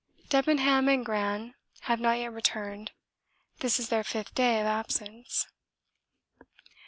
Debenham and Gran have not yet returned; this is their fifth day of absence.